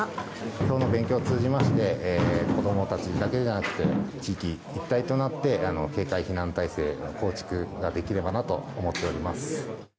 きょうの勉強を通じまして子どもたちだけじゃなくて地域一体となって警戒避難体制の構築ができればなと思っております。